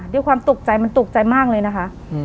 ด้วยความตกใจมันตกใจมากเลยนะคะ